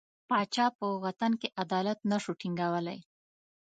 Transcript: پاچا په وطن کې عدالت نه شو ټینګولای.